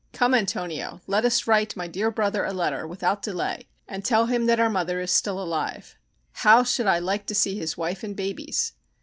Come, Antonio, let us write my dear brother a letter without delay and tell him that our mother is still alive. How should I like to see his wife and babies!"